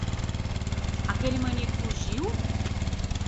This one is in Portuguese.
Aquele maníaco fugiu?